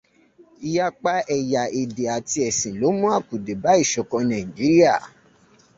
Ìyàpa ẹ̀yà, èdè àti ẹ̀sìn ló mú akùdé bá ìṣọ̀kan Nàíjíríà.